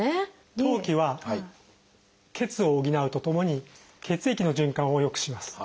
当帰は「血」を補うとともに血液の循環をよくします。